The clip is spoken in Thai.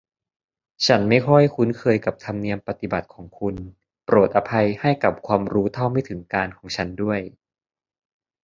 ฉันไม่ค่อยคุ้นเคยกับธรรมเนียมปฏิบัติของคุณ โปรดอภัยให้กับความรู้เท่าไม่ถึงการณ์ของฉันด้วย